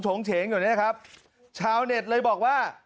ชงเฉงค่ะครับชาวเน็ตเลยบอกว่า